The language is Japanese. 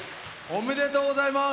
おめでとうございます。